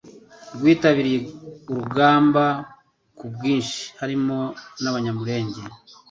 rwitabiriye urugamba ku bwinshi harimo n'Abanyamulenge.